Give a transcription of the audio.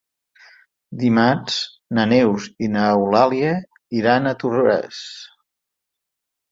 Dimarts na Neus i n'Eulàlia iran a Toràs.